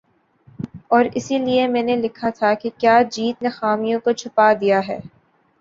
اور اسی لیے میں نے لکھا تھا کہ "کیا جیت نے خامیوں کو چھپا دیا ہے ۔